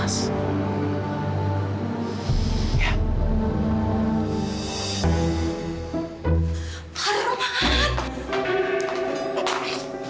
nona tidak akan menangis